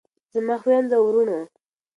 زما خویندو او وروڼو.